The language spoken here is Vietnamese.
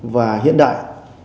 và hiện đại